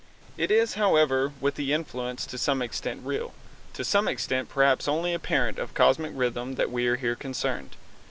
It is, however, with the influence to some extent real, to some extent, perhaps, only apparent of cosmic rhythm that we are here concerned.